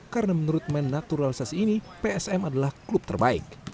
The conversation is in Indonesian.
karena menurut pemain naturalisasi ini psm adalah klub terbaik